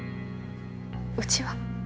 うちは？